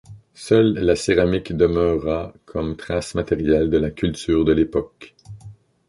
Seule la céramique demeura comme trace matérielle de la culture de l'époque.